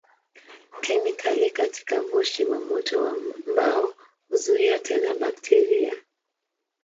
Kemikali katika moshi wa moto wa mbao huzuia tena bakteria.